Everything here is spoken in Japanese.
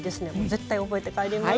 絶対覚えて帰ります。